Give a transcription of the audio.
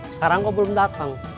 sekarang kok belum datang